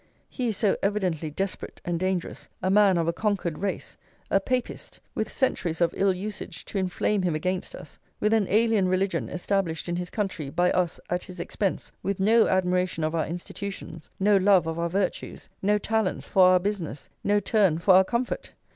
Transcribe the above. He is so evidently desperate and dangerous, a man of a conquered race, a Papist, with centuries of ill usage to inflame him against us, with an alien religion established in his country by us at his expense, with no admiration of our institutions, no love of our virtues, no talents for our business, no turn for our comfort!